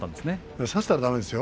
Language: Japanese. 差したらだめですよ